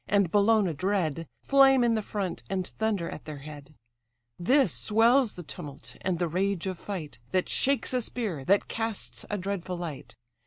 and Bellona dread, Flame in the front, and thunder at their head: This swells the tumult and the rage of fight; That shakes a spear that casts a dreadful light.